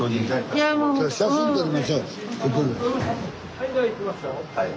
はいじゃあいきますよ。